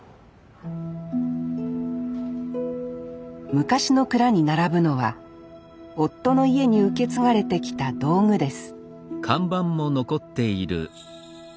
昔の蔵に並ぶのは夫の家に受け継がれてきた道具です